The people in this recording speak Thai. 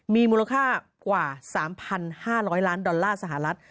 มีมูลค่ากว่า๓๕๐๐ล้านดอลลาร์สหรัฐ